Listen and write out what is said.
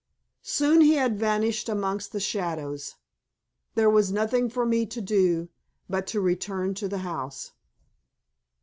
Soon he had vanished amongst the shadows. There was nothing for me to do but to return to the house.